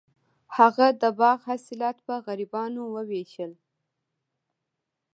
هغه د باغ حاصلات په غریبانو ویشل.